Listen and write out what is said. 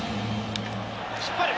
引っ張る！